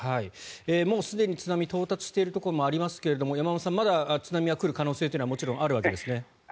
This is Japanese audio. もうすでに津波到達しているところもありますが山本さん、まだ津波は来る可能性というのはもちろんあるわけですね？